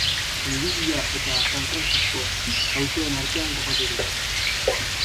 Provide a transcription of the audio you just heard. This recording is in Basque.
Miribilla eta San Frantzisko auzoen artean kokaturik.